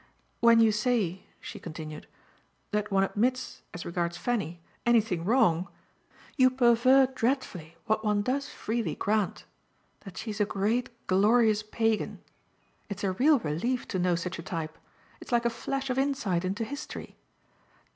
When you say," she continued, "that one admits, as regards Fanny, anything wrong, you pervert dreadfully what one does freely grant that she's a great glorious pagan. It's a real relief to know such a type it's like a flash of insight into history.